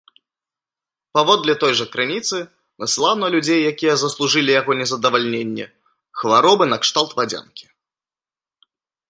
Паводле той жа крыніцы, насылаў на людзей, якія заслужылі яго незадавальненне, хваробы накшталт вадзянкі.